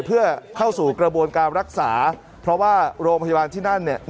เพื่อเข้าสู่กระบวนการรักษาเพราะว่าโรงพยาบาลที่นั่นเนี่ย